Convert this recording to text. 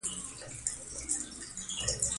مزارشریف د افغانستان د اقتصاد برخه ده.